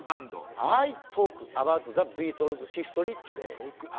アイトークアバウトビートルズヒストリー。